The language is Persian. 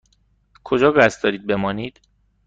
کجا قصد دارید بمانید؟